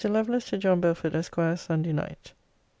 LOVELACE, TO JOHN BELFORD, ESQ. SUNDAY NIGHT.